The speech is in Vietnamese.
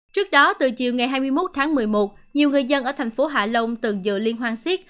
trước đó từ chiều ngày hai mươi một tháng một mươi một nhiều người dân ở thành phố hạ long từng dự liên hoan siết